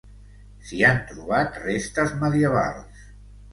S'hi han trobat restes medievals.